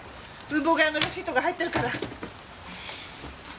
文房具屋のレシートが入ってるから。